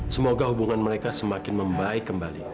semoga hubungan mereka semakin membaik kembali